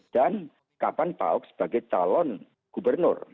dan kapan pak ahok sebagai calon gubernur